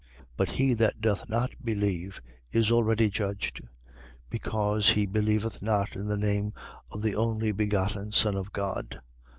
But he that doth not believe is already judged: because he believeth not in the name of the only begotten Son of God.